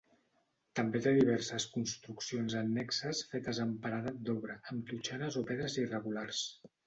També té diverses construccions annexes fetes amb paredat d'obra, amb totxanes o pedres irregulars.